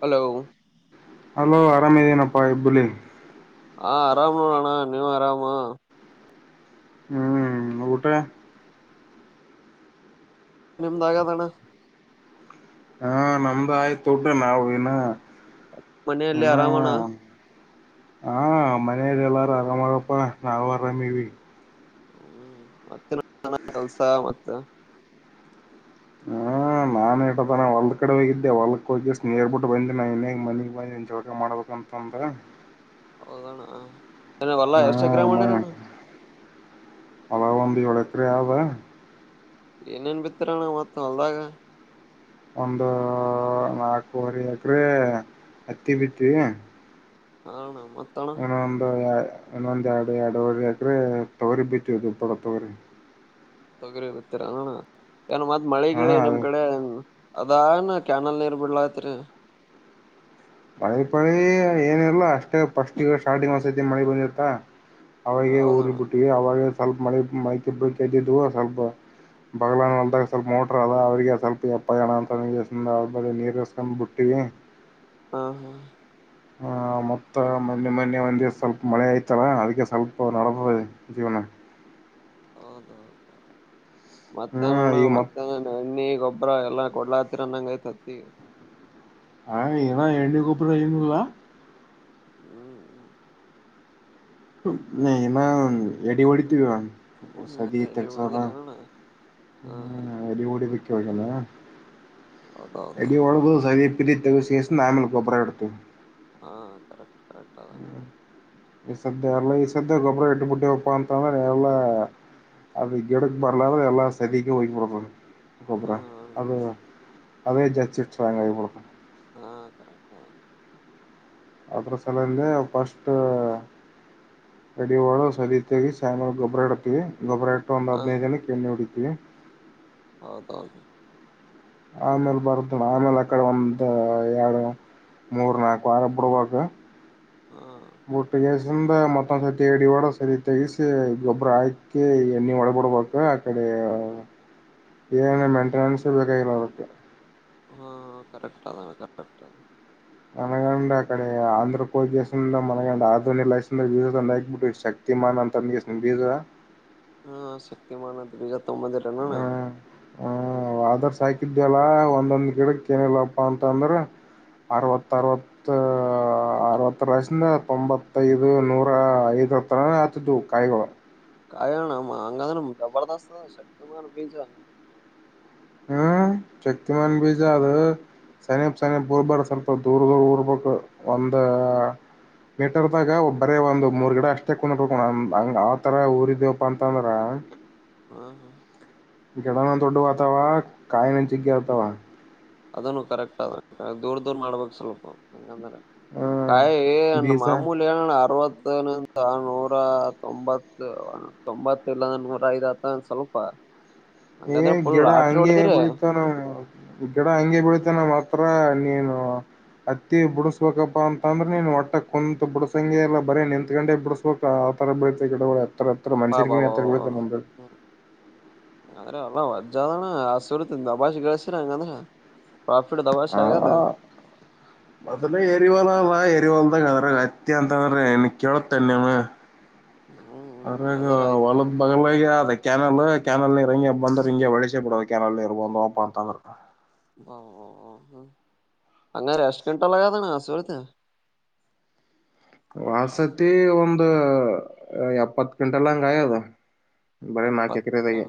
Hello hello ಅರಾಮೇದನಪ್ಪಾ ಹೆಬ್ಬುಲಿ ಹಾ ಆರಾಮನ ನೋಡಣ ನೀವು ಆರಾಮ ಹೂ ಊಟ ನಿಮ್ದಾಗದಣ್ಣ ಹಾ ನಮ್ದು ಆಯ್ತತ್ ದೊಡ್ಡ ನಾವ ಇಿನ ಮನೆಯಲ್ಲೇ ಆರಾಮಣ ಹಾ ಮನೆಯರೆಲ್ಲಾರು ಆರಾಮಾರಪ್ಪಾ ನಾವು ಆರಾಮ ಇದೀವಿ ಹೂ ಮತ್ತೆ ಕೆಲ್ಸ ಮತ್ತ ಹೂ ನಾನ್ ಇೇತಾನ ಹೊಲ್ದ ಕಡೆ ಹೋಗಿದ್ದೆ ಹೊಲ್ಕ್ಕ ಹೋಗಿ ಸ್ ನೀೇರ್ ಬಿಿಟ್ಟ ಬಂದ ನಾ ಇನ್ೇ ಮನಗ್ ಬಂದ ಇನ್ ಚೌಕ ಮಾಡ್ಬೇಕ ಅಂದು ಹೌದಣ್ಣ ಹೊಲ ಎಷ್ಟು ಎಕರೆ ಮಾಡಿರಣ್ಣ ಹೊಲ ಒಂದು ಏಳು ಎಕರೆ ಅವ ಏನೇನ್ ಬಿತ್ತರಣ ಮತ್ತ ಹೊಲ್ದಾಗ ಒಂದು ನಾಲ್ಕುವರೆ ಎಕ್ರೆ ಹತ್ತಿ ಬಿತ್ತಿವಿ ಹನ ಇನು ಒಂದು ಇನ್ನೊಂದ್ ಎರಡು ಎರಡವರೆ ಎಕ್ರೆ ತೊಗರಿ ಬಿತ್ತೀವಿ ತೊಗರಿ ತೊಗರಿ ಬಿಟ್ಟಿರಿಣ ಏನ್ ಮತ್ತ ಮಳೆಗಿಳಿ ಹಾ ನಿಮ್ ಕಡೆ ಅದನ ಕ್ಯಾನಲ್ ನೀರ್ ಬಿಡ್ಲಐತ್ರಿ ಮಳೆ ಪಳಿ ಏನಿರಲ್ಲ ಅಷ್ಟೇ ಫಸ್ಟ್ಗ ಸ್ಟಾರ್ಟಿಂಗ್ ಒಸತಿ ಮಳೆ ಬಂದಿರ್ತ ಅವಾಗ ಹೌದಣ್ಣ ಊರಿಗೆ ಬಿಟ್ಟವಿ ಅವಾಗ ಸ್ವಲ್ಪ ಮಳೆ ಮಲಕ್ಕೆ ಬಿಟ್ಟಿತ್ತು ಸ್ವಲ್ಪ ಬಗ್ಲ ಹ ಅಂದಾಗ ಸ್ವಲ್ಪ ಮೋಟರ್ ಅದ ರಿಗೆ ಸ್ವಲ್ಪ ಎಪ್ಪ ಜನ ಅಂತ ಬ ನೀರುಸ್ಕೊಂಡ್ ಬಿುಟ್ಟಿ ಹಾ ಹಾ ಹ ಮತ್ತ ಮೊನ್ನೆ ಮೊನ್ನೆ ಒಂದಿವ ಸ್ವಲ್ಪ ಮಳೆ ಆಯ್ತಲ್ಲ ಅದಕ್ಕೆ ಸ್ವಲ್ಪ ನಡತದೆ ಜೀವನ ಹ ಹೌದ ಹೌ ಹ್ಮ್ ಮತ್ತೆಣ ಈಗ ಮತ್ ಮತ್ತ ಎಣ್ಣೆಬ್ಬ ಅಬ್ರ ಎಲ್ಲಾ ಕೊಡ್ಲಾ ಹತ್ತರನ್ನಂಗ ಐತತ್ತತಿ ಹಾ ಏನಾ ಎಣ್ಣಿ ಗೊಬ್ಬರ ಏನಿಲ್ಲ ಹೂ ಹೂ ನ ನ ಎಡಿ ಓಡಿತಿ ಇನ್ನ ಸಜ ಎಲ್ಲಿ ಸ ಹೊಡಿದಿಲ್ಲನಣ್ಣ ಹಾ ಹಾ ಹ್ಮ ಅಡಿಗೊಡಿ ಬಕ್ಕಲ್ಲ. ಹೌದೌದೌದು ಅಡಿ ಒಳಗುುದು ಸಪತ್ತ ವಿಶೇಷ ನಮಲ್ ಗೊಬ್ಬರ ಎಡ್ತು. ಹಾ ಕರೆಕ್್ ಕರೆಕ್ಾದಾನ ಈ ಸದ್ದ ಎಲ್ಲ ಈ ಸದ್ದ ಗೊಬ್ಬರ ಹ ಇಟ್ಟುಬ ಬಿಟ್ಟಿ ಹಪ್ಪ ಅಂತ ಅಂದ್ರೆ ಎಲ್ಲಾ ಅದುಗಡೆ ಬ ಎಲ್ಲ ಸ್ಥತಿ ಹೋಗ್ಬಡ್ದು ಕೊಬರ ಹಾ ಅದೇ ಅೇ ಜಾಂಗಾಯ ಕುಳಕ ಹಾ ಕ ಹ ಅದ್ರ ಸಲಂದೆ ಫಸ್ಟ್ ಅಡಿವಾಳ ಸರಿಿತ ಸ್ಯಾಮುಲ್ ಗೊಬ್ರಡಕಿ ಗೊಬ್ಬರ ಎಟ್ಟು ಒಂದು ಹಾ ಹದಿನೈದು ಎಣ್ಣೆ ಹೊಡಿತೀವಿ ಹೌದೌದು. ಆಮೇಲ್ ಬರತನ್ನ ಆಮೇಲ್ ಆ ಕಡೆ ಒಂದ ಎರಡು. ಮೂರು ನಾಲ್ಕು ವಾರ ಬಿಡಬೇಕು. ಹಾ ಮೊಟ್ಟೆಯ. ಮತ್ತೊಂದ್ ಸತಿ ಎಡಿ ಒಡ ಸತಿ ತೆಗಸ ಗೊಬ್ಬರ ಆಯ್ಕತಿ ಎಣ್ಣಿ ಹೊಡಬಿಡ್ಬೇಕು ಆ ಕಡೆ. ಏನು ಮೇಂಟೆನೆನ್ಸ್ ಬೇಕಾಗಿರದಕ್ಕೆ. ಹ್ಮ್ಮ್ ಕರೆಕ್ಟ್ ಅ ಕರೆಕ್ಟ. ಮನಗಂಡ್ ಅಕಡೆ ಆಂಧ್ರ ಕೋ ದಸ ಮನಗಂಡ ಆಧನಿ ಲೈಂದ್ರ ಜೀವಂದ ಆಗ್ಬಿಟ್ಟು ಶಕ್ತಿ. ಮನ್ ಅಂತಗೆಸ ಬೀಜರ. ಹಾ ಸತಿಮಾನದು ವಿಜತ್ತು ಮಂದರಣ. ಹ ವಾದ ವರ್ಷ ಹಾಕಿದವಲ್ಲ ಒಂದೊಂದ್ ಗಿಡಕ ಏನಿಲ್ಲಪ್ಪ ಅಂತಂದ್ರ. ಅರವತ್ತ ಅರವತ್ತ ಅರವತ್ತರ ವಷಿಂದ ತೊಂಬತ್ತೈದು ನೂರ ಐದು. ಒಂತರನ ಆಗತ್ತಿದು ಹಾ ಕಾಯಿಗಳು. ಕಾಯಣ ಅಂಗ ಜಬರ್ದಸ್ತ ಶ ಮ ಬ. ಹ್ಮ್ ಶಕ್ತಿಮಾನ ಬೀಜ ಅದು. ಸನಿಪ್ ಸನಿಪ್ ಊರಬಾರದು ಸ್ವಲ್ಪ ದೂರ ದೂರ ಉರ್ಬೇಕು ಒಂದ. ಮೀಟರ್ದಾಗ ಒಬ್ಬರೇ ಒಂದು ಮೂರ್ ಗಿಡ ಅಷ್ಟೇ ಕುಂದಕೊಂಡ ಹಂಗ ಆ ತರ ಊರದೇವಪ್ಪಾ ಅಂತಂದ್ರ. [inaudible] ಗಿಡ ನ ದೊಡವು ಅತವಾ ಕಾಯಿನ ಜಗ್ಗಿ ಆತವಾ. ಅದನು ಕರೆಕ್ಟ್ ಅದ ದೂರ್ ದೂರ್ ಮಾಡ್ಬಬೇಕ ಸ್ವಲ್ಪ ಹಂಗಂದ್ರ. ಹ್ಮ್ ಕಾಯ ಬೀಜ ಮಾಮೂಲಿ ಎಲ್ಲ ಅರ್ವ. ನೂರ ತೊಂಬತ್ತು ತೊಂಬತ್ತು ಇಲ್ಲಂದ ನೂರ ಐದ ಹತ್ತ ಸ್ವಲ್ಪ. ಏ ಹಂಗಾದ್ರೆ ಫುಲ್ ಗಿಡ ಲಾಟ್ರಿ ಅಂಗೆ ಹೊಡದಿರಿ ಬಿಳಿತವ ನಮ್ದು. ಗಡ ಹಂಗೆ ಬಿಡುತ್ತೆ ನ ಹತ್ರ ನೀನು. ಅತ್ತಿ ಬಿಡಸ್ಬೇಕಪ್ಪಾ ಅಂತ ಅಂದ್ರ ನೀನ್ ಒಟ್ಟ ಕುಂತಕೊಂಡು ಬಿಡಸಂಗೆ ಇಲ್ಲ ಬರೀ ನಿ ನಿಂತ ಗೊಂಡೆ ಬಿಡಸಬೇಕು. ಬಾ ಬಾ ಬಾ [unintelligible] ಅಲ್ಲಾ ವಜ್ಜದಣ ಹಸರುತ ದಬಾಷ ಸೀರ ಹಂಗಂದ್ರ. ಪ್ರಾಫಿಟ್ ದಬಾಶ್ ಆಗ್ಯದ ಹ್ಮ್ಮ್ ಅದನ ಹೇಳಿವಲ್ಲ ಮತ. ಹೊಲ್ದಾಗ ಅದ್ರ ಅತ್ತಿ ಅಂತಂದ್ರ ಇನ್ ಕೇಳತ್ತ ನಿಮ. ಹ್ಮ್ ಹ್ಮ್ ಅರೆಗ ಅದರ ಆಯ್ತು ಹೊಲದ ಬಗಲಗೆ ಅದ. ಕ್ಯಾನಲ್ ಕ್ಯಾನಲ್ ನೀರ ಹಿಂಗೆ ಬಂದ್ರ ಹಿಂಗ ವಳಿಸಿ ಬಿಡೋದು ಕ್ಯಾನಲ್ ನೀರ ಬಂದವಪ್ಪ ಅಂದ್ರ. ಹ್ಮಂ ಹ್ಮಂ ಅಂಗಾರೆ ಎಷ್ಟು ಕಿಂಟಲ್ ಆಗ್ಯದ ಅಣ್ಣ ಆ ಸುರುತ. [inaudible] ವಾದ ಸತಿ ಒಂದು ಎಪ್ಪತ್ ಕಿಂಟಲ್ ಹಂಗ ಆಗ್ಯದ. ಬರೀ ನಾಲ್ಕು ಅಪ್ಪತ್ ಎಕರೆದಾಗೆ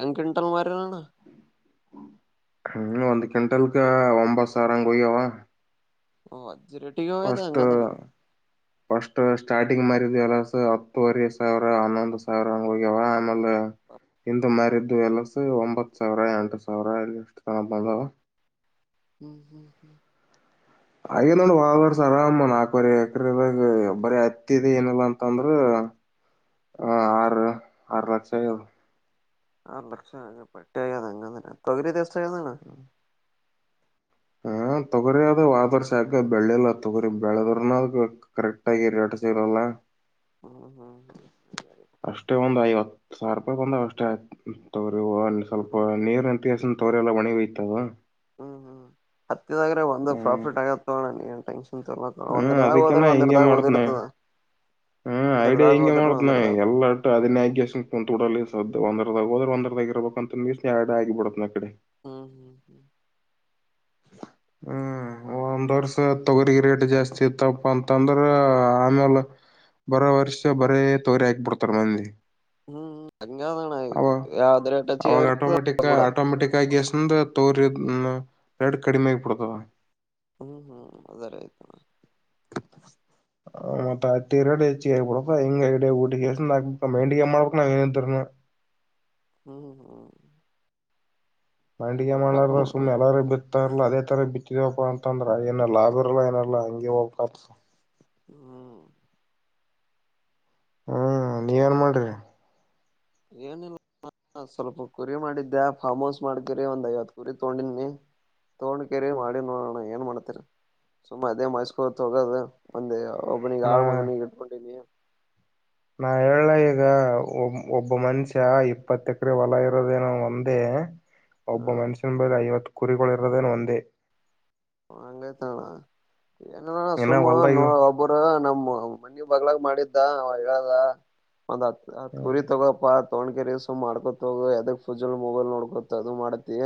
ಎಂಗಾ ಕಿಂಟಲ್ ಮಾರೆರ ಅಣ್ಣ. ಹ್ಮ ಒಂದು ಕ್ವಿಂಟಲ್ಕ ಒಂಬತ್ತು ಸಾವಿರ ಹೋಗ್ಯವ. ಓಕೆ. ಫಸ್ಟ್ ಫಸ್ಟ್ ಸ್ಟಾರ್ಟಿಂಗ್ ಮ. [unintelligible] ಹತ್ತೂುವರಿ ಸಾವಿರ ಹನ್ನೊಂದ ಸಾವಿರ ಹಾಂಗ ಹೋಗ್ಯವ ಆಮೇಲೆ ಹಿಂದ ಮಾರಿದ. ಇದು ಎಲ್ಲಸ ಒಂಬತ್ತ ಸಾವಿರ ಎಂಟ ಸಾವಿರ ಇ ಎಷ್ಟು ತನ ಬಂದವ. ಹ್ಮ್ ಹ್ಮ್ ಹ್ಮ್. ಆಗಿತ್ತ ನೋಡ ಹೋದ ವರ್ಷ ಆರಾಮ್ ನಾಲ್ಕವರೆ ಎಕರೆದಾಗ ಬರೀ ಹತ್ತಿ ಇದೆ ಏನಿಲ್ಲಾ ಅಂತಂದ್ರ. ಹ್ಮ್ಮ್ ಆರು ಆರು ಲಕ್ಷ ದು. ಆರು ಲಕ್ಷ ಪಟ್ಟಿ ಹಾಗ್ಯದ ಅಂಗ ಅಂದ್ರ ತೊಗರಿದು ಎಷ್ಟು ಆಗ್ಯದ ಅಣ್ಣ. ಹ್ಮ್ಮ್ ತೊಗೋರಿ ಅದು ವಾದ ವರ್ಷ ಯಾಕ ಬೆಳಿಲ್ಲ ತೊಗೋರಿ ಬೆಳದರನ ಕರೆಕ್ಟ್ ಆಗಿ. [unintelligible] [unintelligible] ಹ್ಮ್ ಹ್ಮ್ ಹ್ಮ್ ಅಷ್ಟೇ ಒಂದ ಐವತ್ತು ಸಾವಿರ ರೂಪಾಯಿ ಬಂದ ಅಷ್ಟೇ. ಇವು ಸ್ವಲ್ಪ ಹ್ಮ್ ನೀರ ನಿಂತಕೇಸಿ ತೋಗರಿ ಎಲ್ಲ ಒಣಿಗಿ ಹೋಗತವ. ಹ್ಮ್ ಹ್ಮ್ ಹತ್ತಿದಾಗ್ರೆ ಒಂದು ಹ್ಮ್ ಪ್ರಾಫಿಟ್ ಆಗತ್ತ ತಗೊ ಅಣ್ಣ [unintelligible] [unintelligible] ಹ್ಮ್ ಒಂದರದಾಗ ಹೋದ್ರೆ ಒಂದರದಾಗ ಉಳದಿರತದ. ಹ್ಮ್ಮ್ ಐಡಿಯಾ ಹಿಂಗೆ ಮಾಡತಿನಿ ಎಲ್ಲಾಟ್ಟ ಅದನೆ ಹಾಕಿಕೇಸಿ ಕುಂತಬಿಡತೀನಿ. ಸದ ಒಂದರದಾಗ ಹೋದ್ರ ಒಂದದಾಗಿ ಇರ್ಬೇಕು ಅಂತಕೆಸಿ ಯಾಡ್ ಆಗಿಬಡತ್ತ ನ ಆಕಡೆ. ಹ್ಮ್ ಹ್ಮ್ ಹ್ಮ್. ಹ್ಮ್. ಒಂದ್ ವರ್ಷ ತೊಗರಿಗೆ ರೇಟ್ ಜಾಸ್ತಿ ಇತ್ತಪ್ಪ ಅಂತಂದ್ರ ಆಮೇಲ್. ಬರೋ ವರ್ಷ ಬರೇ ತೋಗರಿ ಹಾಕಿಬಿಡ್ತಾರ ಮಂದಿ. ಹ್ಮ್ ಹಂಗದಣ ಅವ ಯಾವ್ದ್ ರೇಟ್ ಹೆಚ್ಚಿಗೆ ಅವಾಗ ಆಗಿರ್ತದ ಆಟೋಮೆಟಿಕ್ ಅದ್ ಬಿಡೋದ್ ಆಟೋಮೆಟಿಕ್ ಆಗಿ ಎಸ್ಂದ. ತೋಗರಿ ರೇಟ್ ಕಡಿಮೆ ಆಗಿ ಬಿಡ್ತವ. ಹ್ಮ್ ಹ್ಮ್ ಅದರ ಆಯ್ತ ಮ. [inaudible] ಮತ್ತ ಅಕ್ಕಿ ರೇಟ್ ಹೆಚ್ಚ ಆಗಿ ಬಿಡ್ತಾ ಹಿಂಗ ಐಡಿಯಾ ಹೊಡಿ ಗೇರಿಂದ ನಾಲ್ಕ ರುಪಾಯಿ ಮೈಲಿಗೆ ಮಾಡ್ಬೇಕ ನಾವ ಏನಿದ್ರನು. ಹ್ಮ್ ಹ್ಮ್ [unintelligible] ಏನ್ ಮಾಡ್ಲಕ್ ಮಾಡಲಾರದ ಬರಲ್ಲಣ ಸುಮ್ಮ್ನೆಲ್ಲಾರ ಬಿತ್. ತಾರಲ ಅದೇ ತರ ಬಿತ್ತಿದಿವಿ ಅಪ್ಪಾ ಅಂತ ಅಂದ್ರ ಏನ ಲಾಭ ಇರಲ್ಲ ಏನಾರಾ ಹಂಗೆ ಹೋಗ್ ಬೇಕ್ ಅಗತದ. ಹ್ಮ. ಹ್ಮ್ ನೀವ ಏನ್ ಮಾಡ್ರಿ. ಹಾ ಸ್ವಲ್ಪ ಕುರಿ ಮಾಡಿದ್ದೆ ಫಾರ್ಮ್ ಹೌಸ್ ಮಾಡಿದಿವರಿ ಒಂದ ಐವತ್ತ ಕುರಿ ತಗೊಂಡಿನನಿ. ತೋೊಂಡ ಕೇರಿ ಮಾಡಿ ನೋಡೋಣ ಏನ್ ಮಾಡ್ತರಿ ಸುಮ್ಮ್ ಅದೇ ಮೈಸ್ಕೂರ್ತ್ ಹೋಗೋದ ಒಂದ. ಒಬ್ಬ ನೀಗ ನಾ ಆಳ್ ಮಗ ನೀ ಇಟ್ಕೊಂಡಿದ್ದೀನಿ. ನಾ ಹೇಳಲ ಈಗ ಒ ಒಬ್ಬ ಮನುಷ್ಯ ಇಪ್ಪತ್ ಎಕರೆ ಹೊಲ ಇರೋದೇನೋ ಒಂದೇ. ಒಬ್ಬ ಹ್ಮ್ ಮನುಷ್ಯನ ಬಲಿ ಐವತ್ತ ಕುರಿಗಳಿರದೇ ಏನ ಒಂದೇ. ಹಂಗೈ್ತಣ್ಣ ಏನ ಸುಮ್ಮ್ ನೋ ಒಬ್ಬರ ನಮ್ಮ. ಮನಿ ಬಗಲಾಗ ಮಾಡಿದ್ದ ಅವ ಹೇಳದ ಒಂದ್ ಹತ್ತ್ ಕುರಿ ತಗೋಪ. ತೊೊಂಡ್ ಕರೆ ಸುಮ ಮಾಡ್ಕೊತ ಹೋಗ ಯದ ಫುಜಲ್ ಮೊಬೈಲ್ ನೋಡ್ಕೋತ ಅದು ಮಾಡತಿ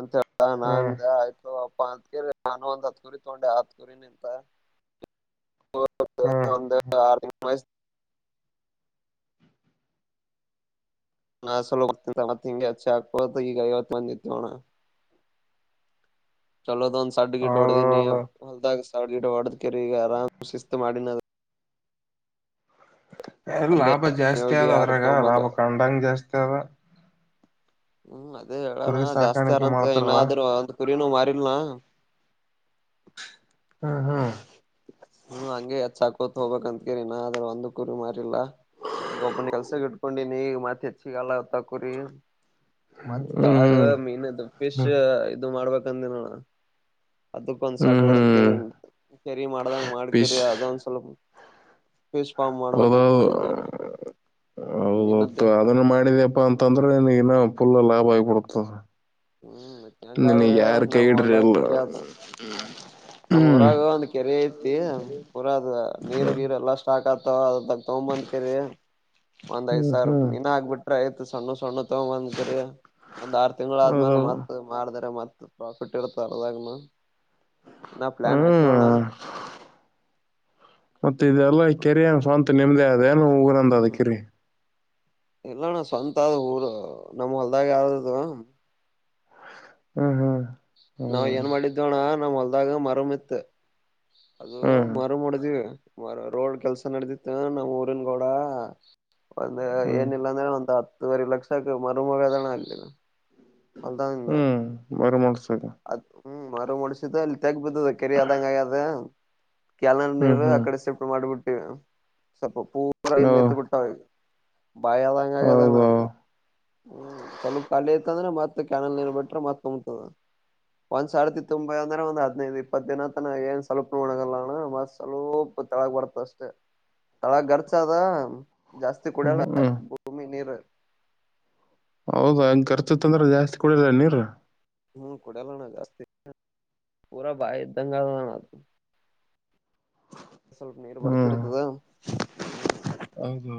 ಅಂತ. ಹಾ ನಾ ಹ್ಮ್ ಅಂದ್ಯಆಯ್ತ. [unintelligible] ಪಾ ಅಂತ ಕೆರಿ ನಾ ಒಂದ್ ಹತ್ ಕುರಿ ತಗೊಂಡೆ ಹತ್ ಕುರಿ ನಿಂದ. ಒಂದ ಹ್ಮ್ ಒಂದ ಆರ [unintelligible] ಸ. ನ ಸುಲ ಗ್ಂತ ಮತ್ತೆ ಹಿಂಗೆ ಹೆಚ್ಚ ಹಾಕೋತ ಈಗ ಐವತ್ತ ಬಂದ ನಿಂತ ಅಣ್ಣ. ಚಲೋ ದ ಒಂದ ಸಡ್ ಗಿಡ್ ಹೊಡಿದಿನಿ ಹೌದೌದು ಹೊಲದಾಗ. ಸಡ್ ಗಿಡ್ ಹೊಡೆದ ಕೆರೆ ಈಗ ಆರಾಮ್ ಶಿಸ್ತ ಮಾಡಿನ ಅದನ. ಅಲ್ಲೇ ಲಾಭ ಜಾಸ್ತಿ ಹೋಗಿ ಆದದ ಆಡ್ ಅದ್ರಾಗ ಲಾಭ ತಗೊಂಬಂದು ಕಂಡಂಗ ಜಾಸ್ತಿ ಆದ. ಹ್ಮ್ ಅದೇ ಹೇಳೋಣ ಕುರಿ ಜಾಸ್ತಿ ಸಾಕಾಣಿಕೆ ಅರಂತ ಮಾಡ್ತಾರಲ್ಲ ಏನಾದ್ರುೂ ಅದರ. ಕುರಿನೂ ಮಾರೀಲ್ ನ. ಹಾ ಹಾ. ಹ್ಮ ಹಂಗೆ ಹೆಚ್ಚಾ ಅಕೊತ ಹೋಗ್ ಬೇಕ್ ಅಂತ ಕೆರೆ ನ ಅದನ ಒಂದ ಕುರಿ ಮಾರಿಲ್ಲ. ಈಗ ಒಬ್ಬನ ಕೆಲ್ಸಗ ಇಟ್ಕೊಂಡಿನಿ ಈಗ ಮತ್ ಹೆಚ್ಚಿಗ ಅಗಲತವ ಕುರಿ. ಮತ್ತ ಹ್ಮ್ ತಳಗ ಹ್ಮ್ ಮೀನ್ದ ಫಿಶ್ ಹ್ಮ್ ಇದು ಮಾಡ್ ಬೇಕ್ ಅಂದಿನಿ ನೋಡ್. ಅದಕ್ಕ ಒಂದ್ ಸಡ್ ಹ್ಮ್ ಹೊಡದ ಹ್ಮ್ ಕೆರೆಯಿಂದ ಕೆರಿ ಮಾಡ್ದಂಗ ಪಿಶ್ ಮಾಡಕೆರೆ ಅದೊಂದ್ ಸ್ವಲ್ಪ. ಪೀಸ್ ಪಫಾರ್ಮ್ ಮಾಡ್ಬೇಕಂತ ಮಾಡಿದ್ದೆ ನಾವ. ಹೌದೌತ್ ಅದನ್ನ ಮಾಡಿದ್ಯಪ್ಪಾ ಅಂತಂದ್ರೆ ನನಗ ಇನ್ನ ಫುಲ್ ಲಾಭ ಆಗಿಬಿಡುತ್ತದ. ಹ್ಮ್ ನಿನ್ನಗ ಹೆಂಗಾದ್ರ ಯಾರ ಕೈ ನಮ್ ಹಿಡಿರ ಹೊಲ್ದಾಗ ಇಲ್ಲ. ಕೆರಿ ಅದ ನಮ್ ಊರಾಗ ಒಂದ್ ಕೆರೆ ಐತಿ ಪೂರ ಅದು ನೀರ್ ಗೀರ್ ಎಲ್ಲಾ ಸ್ಟಾಕ್ ಆಗ್ತವ ಅದ. ತೊಂಬಂದ್ ಕರಿ ಒಂದ್ ಐ್ ಹ್ಮ್ ಸಾವಿರ ಹ್ಮ್ ಇಿನ ಆಗ್ಬಿಟ್ರೆ ಐ್ತ ಸಣ್ಣ ಸಣ್ಣ. ತೋ ಬಂದ ಕೆರೆ ಒಂದ್ ಆರು ತಿಂಗಳ ಹೌದು ಆದ್ಮೇಾಲ ಮತ್ ಮಾರಿದರ ಮತ್ ಪ್ರಾಫಿಟ್ ಇರತ್ ಅದರಗನು. ನಾ ಪ್ಲಾನ್ ಹಾಕಿವಿ ಹ್ಮ್ ಅಣ್ಣ. ಮತ್ತೆ ಇದೆಲ್ಲ ಕೆರಿ ಏನ ಸ್ವಂತ ನಿಮ್ದೇ ಆದ ಏನ ಊರಂದ ಅದ ಕೆರಿ. ಎಲ್ಲಣ್ಣ ಸ್ವಂತ ಆದ ಊರು ನಮ್ ಹೊಲ್ದಾಗ ಅದ ಇದ. ಹ್ಮ್ ಹ್ಮ್. ನಾವ್ ಏನ್ ಮಾಡಿದ್ದವಣ್ಣ ನಮ್ ಹೊಲ್ದಾಗ ಮರಮಿತ್. ಅದು ಹ್ಮ್ ಹ್ಮ್ ಮಾರಮ ಹೊಡೆದೇವಿ. ಮರ ರೋಡ್ ಕೆಲ್ಸ ನಡೆದಿತ್ತು ನಮ್ಮ್ ಊರಿನ್ ಹೊಲಗ. ಒಂದು ಹ್ಮ್ ಏನಿಲ್ಲ ಅಂದ್ರ ಒಂದು ಹತ್ತುವರೆ ಲಕ್ಷಕ್ಕ ಮರುಮಗದಣ ಅಲಿಲ್ಲ. ಅಲ್ದಾ. [unintelligible] ಹ್ಮ್ [unintelligible] ಅದ್ ಹ್ಮ್ ಮಾರ ಮುಡಸಿದ ಅಲ್ಲಿ ತೆಗ ಬಿದ್ದದ ಕೆರಿ ಅದಂಗ ಆಗ್ಯದ. ಕೆಲ ಹ್ಮ್ ನೀರು ಆ ಹ್ಮ್ ಕಡೆ ಶಫ್ಟ್ ಮಾಡ್ಬಿಟ್ಟಿವ ಸ್ವಲ್ಪ ಪೂರಾ ಹ ಮೆತ್ ಬಿಟ್ಟಾವ. ಬಾಯಿ ಅದ ಹಂಗಗದಂಗ ಹೌದು ಹ್ಮ್ ಸ್ವಲ್ಪ ಕಾಲ ಇತ್ತ ಅಂದ್ರೆ ಮತ್ತ. ಮತ್ತ ಕ್ಯಾನಲ್ ನೀನ್ ಬಿಟ್ರೆ ಮತ್ಕೊಂಬತದ. ಹ [inaudible] ಒಂದ್ ಸರ್ತಿ ತುಂಬ ಅಂದ್ರೆ ಒಂದ ಹದ್ದು ಇಪ್ಪತ್ತು ದಿನಂತನ ಏನ್ ಸ್ವಲ್ಪ ನೋಣಗಲ್ಲ ಅಣ್ಣಸ್ ಸ್ವಲ್ಪ ತಳ. ಬರ್ತ ಅಷ್ಟೇ ತಳ ಖರ್ಚ ಅದ ಜಾಸ್ತಿ ಕುಡಿಯಲ್ಲ ಹ್ಮ್ ಭೂಮಿ ನೀರ್. ಹೌದ ಹಂಗಗೆ ಖರ್ಚುತ್ ಅಂದ್ರೆ ಜಾಸ್ತಿ ಕುಡಿಲ್ಲ ನೀರ್. ಹ ಕುಡಲ್ಲ ನಗಸ್ತಿ ಪೂರ ಬಹ ದಂಗನದು. ಸ್ವಲ್ಪ ನೀರು ಹ್ಮ್ ಬಡತಿರುತದಾ ಹ್ಮ್. ಹೌದೌದು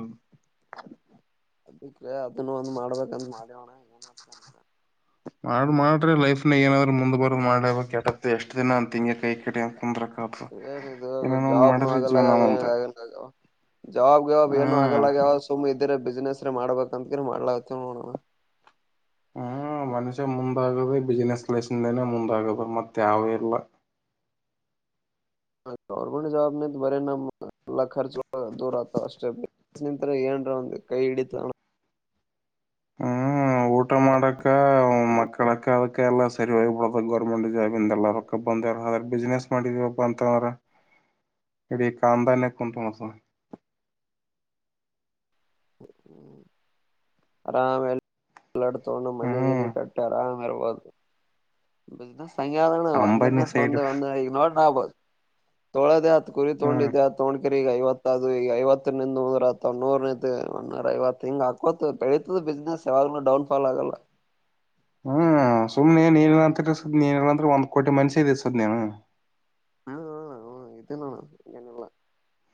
ಅದಕ್ಕೆರ ಅದನ್ನು ಒಂದ್ ಮಾಡ್ಬೇಕಂದ್ ಮಾಡ್ಯವಣ ಏನ ಆಗ್ತಾನೆನ. ಮಾಡ ಮಾಡ್ರಿ ಲೈಫ್ನಾಗ ಏನಾದ್ರು ಮುಂದ್ ಬರ ಮಾಡ್ಯಕ್ತತ್ತ ಎಷ್ಟ್ ದಿನ ಅಂತ ಹಿಂಗಗೆ ಕೈ ಕಡ ಅ ಕುಂದ್ರ. ಏನಿದು ಏನೇನೋ ಜಾಬ್ನು ಮಡರಿ ಜವ ನ ಅಂತ. ಜವಾಬ್ ಯವಾಬ್ ಏನು ಹ್ಮ್ ಆಗಲ್ಲಗ್ಯಾವ ಸುಮ್ ಇದಿರ ಬಿಸ್ನನೆಸ್ ಮಾಡ್ಬೇಕ ಅಂತಕ್ರ ಮಾಡ್ಲಾತವ ನೋಡೋಣ. ಹ್ಮ್ ಮನುಷ್ಯ ಮುಂದಾಗದೆ ಬಿಸ್ನೆಸ್ ಲಲೆಸನ್ದನೆ ಮುಂದಾಗದ ಮತ್ತೆ ಯಾವೇ ಇಲ್ಲ. ಹ ಗವರ್ಮೆಂಟ್ ಜವಾಬ ನಿಂತ ಬರೇ ನಮ್ಮಲ್ಲ ರ್ಚ ದೂರ ಆತ ಅಷ್ಟೇ. [inaudible] ಕೈ ಇಡಿತಾನು. ಹ್ಮ್ ಊಟ ಮಾಡಕ್ಕ. ನಂತ ಅದಕ್ಕೆಲ್ಲ ಸರಿಯಬ ಬಿಡದ ಗೌರ್ಮೆಂಟ್ ಜಾಬ ಇಂದ ಎಲ್ಲಕ ಬಂದಾರದ ಬಿಸ್ನೆಸ್ ಮಾಡಿದೀವಪ್ಪ ಅಂತಂದ್ರ. ಇಡ ಕಾಂದನ ಕುಟುಸ. [unintelligible] ಅರಾಮ್ ಎಲ್ಲ ಎಲ್ಲಡ್ತೋೊಂಡು ಹ್ಮ್ ಮನೆಗಿನ ಕಟ್ಟಅರಾಮ್ ಇರ್ಬಹದು. ಸಂ ಆದಣ ಒಂದ ಅಂಬಾನಿ ಒಂದ ಸೈಡ್ ಒಂದ ಈಗ ನೋಡ್ರ ಆಗ್ಬೋದು ತೊಳೋದ ಆತ. ರಿ ಹ್ಮ್ ತಗೊಂಡಿದ್ದಿದೆ ಆ ತೋ ಈಗ ಐವತ್ತದು ಈಗ ಐವತ್ತ ನಿಂದ ನೂರ ಒೂರ ಐವತ್ತು ಹಿಂಗ್ ಹಕತ್ ಬೆಳಿತತದ. ಬಿಸಸಿನಸ್ ಯಾವದೂ ಡೌನ್ ಫಲ್ ಆಗಲ್ಲ. ಮ್ಮ್. ಹ್ಮ್ ಸುಮ್ನೆನ್ ನೀನಂತ ನೀನಲ್ಲ ಅಂದ್ರೆ ಒಂದ್ ಕೋಟಿ ಮನ್ಷಿ ಇದ ಸದ್ ನೀನು. ಹ್ಮ ಹ ಹ ಇದುನ್ನ. [unintelligible]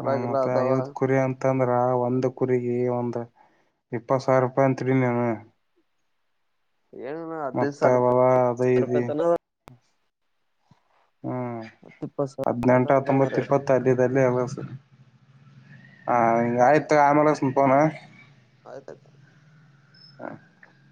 ಹ್ಮ ಮತ್ತೆ ಐವತ್ ಕುರಿ ಅಂತಂದ್ರ ಒಂದ್ ಕುರಿ. ಏ ಒಂದ ಇಪ್ಪ ಸಾವಿ ರೂಪಾಯ ಅಂತರಿ ನೀನು. ಏನಿಲ್ಲ ಹದ್ನೈದ್ ಮತ್ತೆ ಸಾವಿರ ರೂಪಾಯಿ ಅವಲ್ಲ ಅದೇ ಇದೆ. ರೂಪಾಯಿ ತನ ಹ್ಮ್ ಹತ್ತ್ ಇಪ್ಪತ್ ಸಾವಿರ ರೂಪಾಯಿ ಹದ್ನೆಂಟು ತನ ಅದಾವ ಹತ್ತೊಂಬತ್ತ ಇಪ್ಪತ್ತಲ್ಲಿಲ್ಲಿ ಎಸ. ಹಾ ಈಂಗ ಆಯ್ತ್ ಆಮಲಸನ್ ಪೋನ. ಅದತ [inaudible] ಹಾ [inaudible]